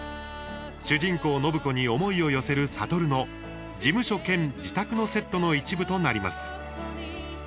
主人公・暢子に思いを寄せる智の事務所兼自宅のセットの一部となります。